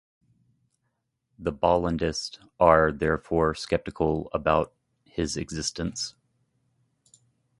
The Bollandists are therefore skeptical about his existence.